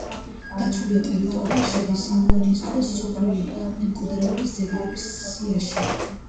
დაცული ტერიტორია შედის იუნესკოს მსოფლიო მემკვიდრეობის ძეგლების სიაში.